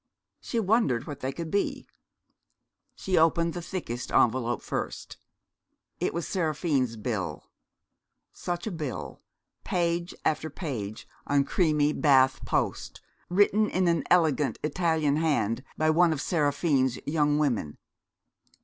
She wondered what they could be. She opened the thickest envelope first. It was Seraphine's bill such a bill, page after page on creamy Bath post, written in an elegant Italian hand by one of Seraphine's young women.